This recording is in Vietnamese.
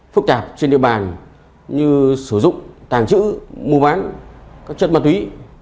phức tạp trên địa bàn như sử dụng tàng trữ mua bán các chất ma túy